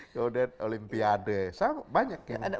kemudian olimpiade banyak yang mundur